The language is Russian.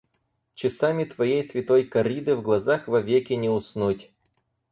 Часам твоей святой корриды в глазах вовеки не уснуть.